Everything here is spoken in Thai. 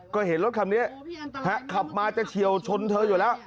ก็เห็นรถคันนี้ขับมาจะเฉียวชนเธออยู่แล้ว